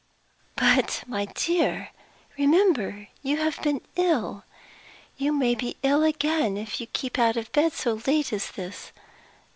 "But, my dear, remember you have been ill. You may be ill again if you keep out of bed so late as this.